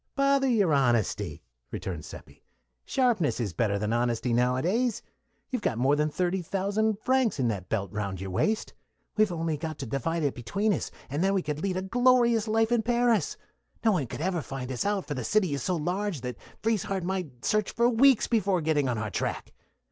"Bother your honesty," returned Seppi. "Sharpness is better than honesty nowadays. You've got more than thirty thousand francs in that belt round your waist; we've only got to divide it between us, and then we could lead a glorious life in Paris. No one could ever find us out, for the city is so large that Frieshardt might search for weeks before getting on our track.